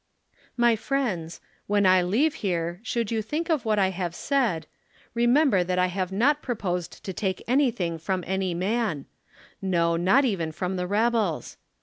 My friends, when I leave here should you think of what I have said, remember that I have not pro posed to take anything from any man, ŌĆö no, not even from the rebels.